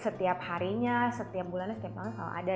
setiap harinya setiap bulannya setiap tahun selalu ada